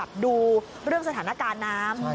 ดูเรื่องสถานการณ์น้ำ